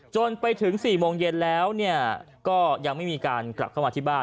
จนไปถึง๔โมงเย็นแล้วก็ยังไม่มีการกลับเข้ามาที่บ้าน